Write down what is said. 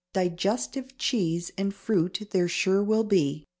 _Digestive cheese and fruit there sure will be.